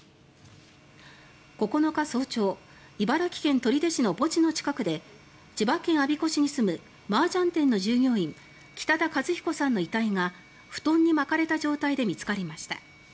９日早朝茨城県取手市の墓地の近くで千葉県我孫子市に住むマージャン店の従業員北田和彦さんの遺体が布団に巻かれた状態で見つかりました。